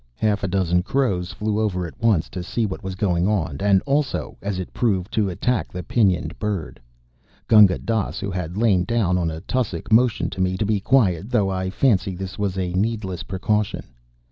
Half a dozen crows flew over at once to see what was going on, and also, as it proved, to attack the pinioned bird. Gunga Dass, who had lain down on a tussock, motioned to me to be quiet, though I fancy this was a needless precaution.